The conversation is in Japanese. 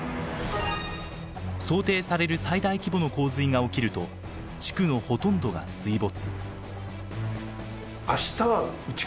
想定される最大規模の洪水が起きると地区のほとんどが水没。